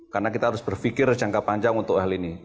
karena kita harus berpikir jangka panjang untuk hal ini